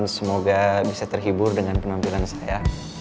semoga bisa terhibur dengan penampilan saya